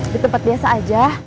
di tempat biasa aja